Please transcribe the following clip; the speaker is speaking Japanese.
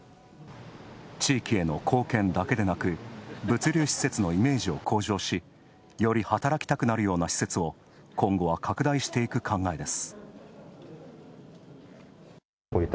地域への貢献だけでなく物流施設のイメージを向上し、より働きたくなるような施設を今後は拡大していく考えです。